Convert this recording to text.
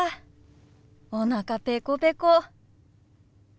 おなかペコペコ。